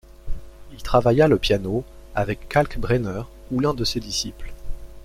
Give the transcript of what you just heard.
Il travailla le piano avec Kalkbrenner ou l'un de ses disciples.